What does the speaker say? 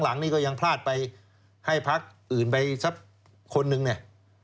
หลังนี้ก็ยังพลาดไปให้พักอื่นไปสักคนนึงเนี่ย